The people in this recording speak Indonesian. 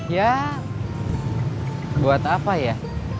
ya buat apa ya